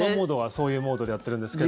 そういうモードでやってるんですけど。